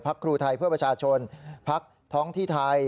ครูไทยเพื่อประชาชนพักท้องที่ไทย